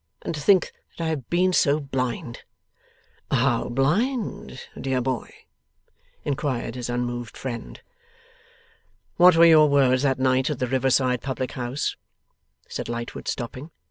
And to think that I have been so blind!' 'How blind, dear boy?' inquired his unmoved friend. 'What were your words that night at the river side public house?' said Lightwood, stopping.